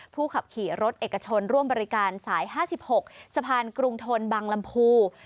ผู้ขับขี่รถเอกชนร่วมบริการสาย๕๖สะพานกรุงทนบังลำพู